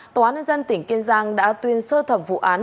tòa án nhân dân tỉnh kiên giang đã tuyên sơ thẩm vụ án